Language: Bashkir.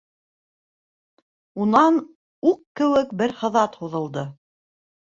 Унан уҡ кеүек бер һыҙат һуҙылды.